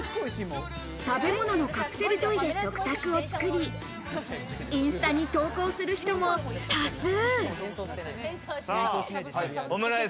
食べ物のカプセルトイで食卓を作り、インスタに投稿する人も多数。